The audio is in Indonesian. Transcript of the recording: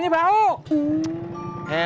lihat bang ojak